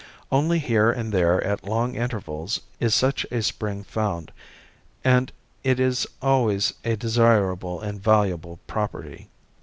Only here and there at long intervals is such a spring found, and it is always a desirable and valuable property.